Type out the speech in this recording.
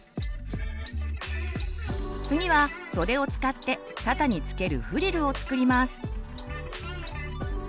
次は袖を使って肩に付けるフリルを作ります。